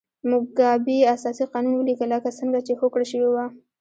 موګابي اساسي قانون ولیکه لکه څنګه چې هوکړه شوې وه.